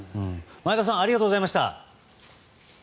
前田さんありがとうございました。